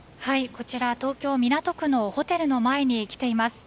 こちら、東京・港区のホテルの前に来ています。